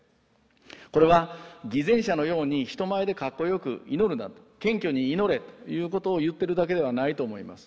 これは偽善者のように人前でかっこよく祈るな謙虚に祈れということを言ってるだけではないと思います。